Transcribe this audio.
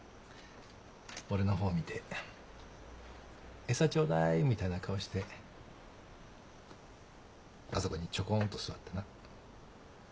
俺の方見て「餌ちょうだい」みたいな顔してあそこにちょこんと座ってな。